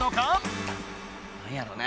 何やろね。